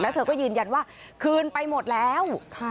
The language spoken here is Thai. เธอก็ยืนยันว่าคืนไปหมดแล้ว